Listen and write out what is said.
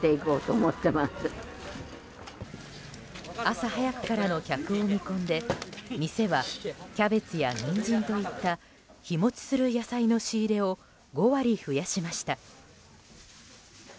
朝早くからの客を見込んで店はキャベツやニンジンといった日持ちする野菜の仕入れを５割増やしました。